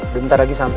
udah bentar lagi sampe